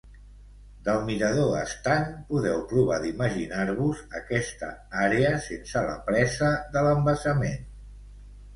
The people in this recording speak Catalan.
Del mirador estant podeu provar d'imaginar-vos aquesta àrea sense la presa de l'embassament.